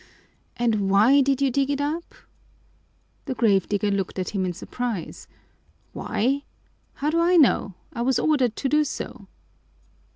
And why did you dig it up?" The grave digger looked at him in surprise. "Why? How do I know? I was ordered to do so."